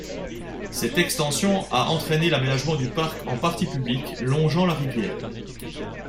Cette extension a entraîné l'aménagement du parc en partie public longeant la rivière.